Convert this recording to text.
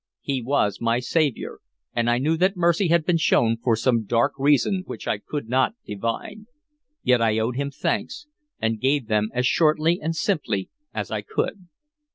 He was my saviour, and I knew that mercy had been shown for some dark reason which I could not divine. Yet I owed him thanks, and gave them as shortly and simply as I could.